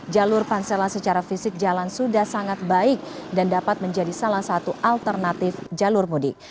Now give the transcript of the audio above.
jalur pansela secara fisik jalan sudah sangat baik dan dapat menjadi salah satu alternatif jalur mudik